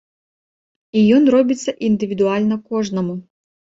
І ён робіцца індывідуальна кожнаму.